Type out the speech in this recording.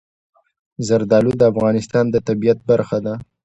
زردالو د افغانستان د طبیعت برخه ده.